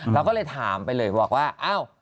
เราก็เลยถามไปเลยบอกว่าอ้าว